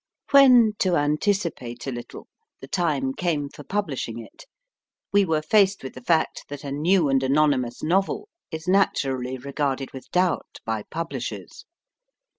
When to anticipate a little the time came for publish ing it, we were faced with the fact that a new and anonymous novel is naturally regarded with doubt by publishers.